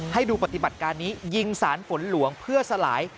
ให้ดูปฏิบัติการนี้ยิงสารฝนหลวงเพื่อสลาย